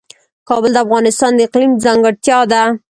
کابل د افغانستان د اقلیم ځانګړتیا ده.